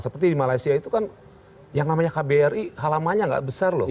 seperti di malaysia itu kan yang namanya kbri halamannya nggak besar loh